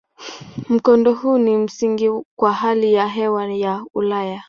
Mkondo huu ni msingi kwa hali ya hewa ya Ulaya.